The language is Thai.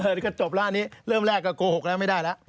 อันนี้ก็จบแล้วอันนี้เริ่มแรกก็โกหกแล้วไม่ได้แล้ว